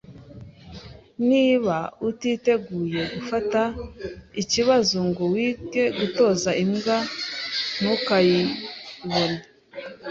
Niba utiteguye gufata ikibazo ngo wige gutoza imbwa, ntukayibone.